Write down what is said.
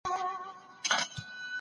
د خدای قدرت بې پایه او نه ختمیدونکی دی.